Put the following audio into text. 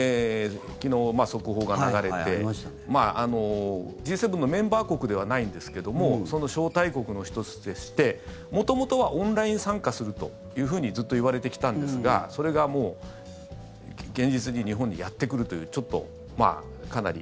昨日、速報が流れてＧ７のメンバー国ではないんですけどもその招待国の１つとして元々はオンライン参加するというふうにずっと言われてきたんですがそれがもう現実に日本にやってくるというちょっと、かなり。